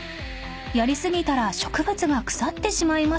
［やり過ぎたら植物が腐ってしまいますが］